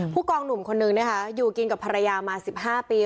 พวกกองหนุ่มคนนึงเนี้ยฮะอยู่กินกับภรรยามาสิบห้าปี